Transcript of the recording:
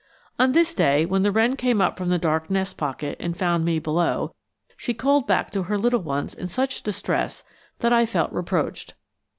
On this day, when the wren came up from the dark nest pocket and found me below, she called back to her little ones in such distress that I felt reproached.